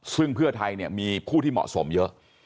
ซึ่งเพื่อไทยมีผู้ที่เหมาะสมเยอะ